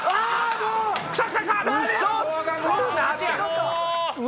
もう！